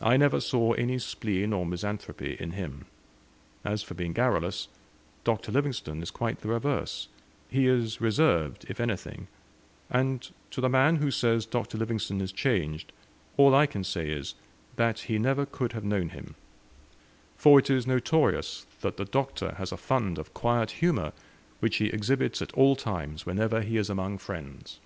I never saw any spleen or misanthropy in him as for being garrulous, Dr. Livingstone is quite the reverse: he is reserved, if anything; and to the man who says Dr. Livingstone is changed, all I can say is, that he never could have known him, for it is notorious that the Doctor has a fund of quiet humour, which he exhibits at all times whenever he is among friends.